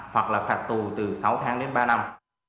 hoặc là phạt tù từ sáu tháng đến ba năm